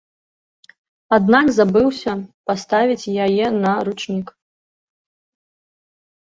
Аднак забыўся паставіць яе на ручнік.